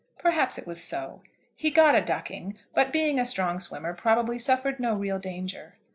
Perhaps it was so. He got a ducking, but, being a strong swimmer, probably suffered no real danger.